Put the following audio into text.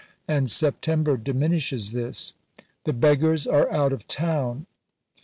And September diminishes this. The beggars are out of town."